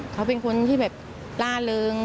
เขาเป็นคนที่แบบล่าเริง